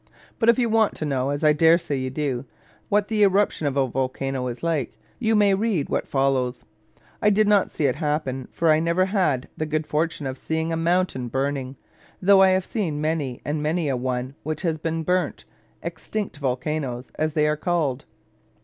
But if you want to know (as I dare say you do) what the eruption of a volcano is like, you may read what follows. I did not see it happen; for I never had the good fortune of seeing a mountain burning, though I have seen many and many a one which has been burnt extinct volcanos, as they are called.